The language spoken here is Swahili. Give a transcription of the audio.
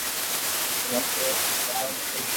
kunakuwepo Amani kwenye mkutano huo